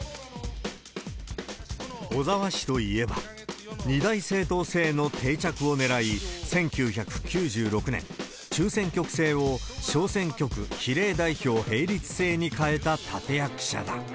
小沢氏といえば、二大政党制の定着をねらい、１９９６年、中選挙区制を小選挙区比例代表並立制に変えた立て役者だ。